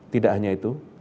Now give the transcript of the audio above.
tidak hanya itu